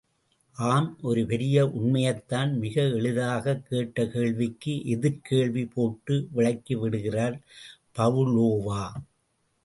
ஆம், ஒரு பெரிய உண்மையைத்தான் மிக எளிதாகக் கேட்ட கேள்விக்கு எதிர்க் கேள்வி போட்டு விளக்கி விடுகிறார் பாவ்லோவா.